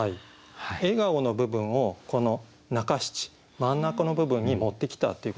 「笑顔」の部分をこの中七真ん中の部分に持ってきたっていうことですね。